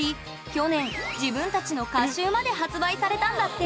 去年自分たちの歌集まで発売されたんだって！